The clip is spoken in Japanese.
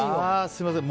すみません。